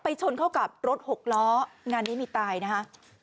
ชนเข้ากับรถหกล้องานนี้มีตายนะคะ